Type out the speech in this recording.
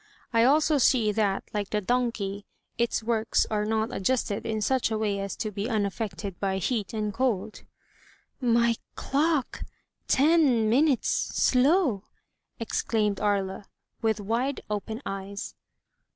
I also see that, like the donkey, its works are not adjusted in such a way as to be unaffected by heat and cold." My — clock — ten — minutes — slowr exclaimed Aria, with wide open eyes.